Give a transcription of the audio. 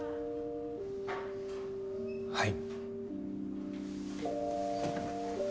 はい。